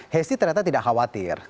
hesti ternyata tidak khawatir